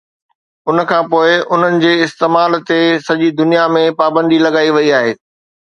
ان کان پوء، انهن جي استعمال تي سڄي دنيا ۾ پابندي لڳائي وئي آهي